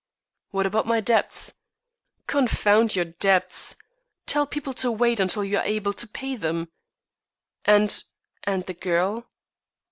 "What about my debts?" "Confound your debts. Tell people to wait until you are able to pay them." "And and the girl?"